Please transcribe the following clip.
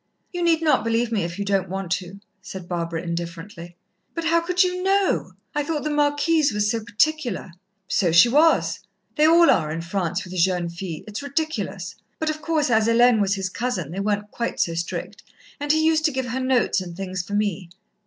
"You need not believe me if you don't want to," said Barbara indifferently. "But how could you know? I thought the Marquise was so particular?" "So she was. They all are, in France, with jeunes filles. It's ridiculous. But, of course, as Hélène was his cousin, they weren't quite so strict, and he used to give her notes and things for me."